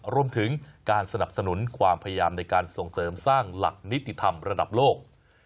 รวมถึงการสนับสนุนความพยายามในการส่งเสริมสร้างหลักนิติธรรมระดับโลก